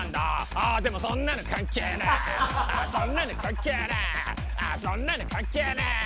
あそんなの関係ねぇ。